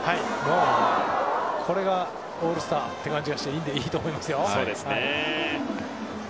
これがオールスターという感じがして、いいと思いますよ。